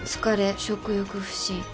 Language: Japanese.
疲れ食欲不振。